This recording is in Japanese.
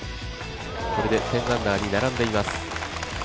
これで１０アンダーに並んでいます。